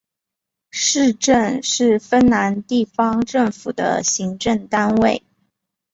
市镇是芬兰地方政府的行政单位。